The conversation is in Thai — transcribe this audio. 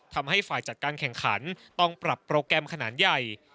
ทำให้ฝ่ายจัดการแข่งขันต้องปรับโปรแกรมขนาดใหญ่